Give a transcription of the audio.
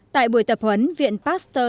tại bộ tập huấn viện pasteur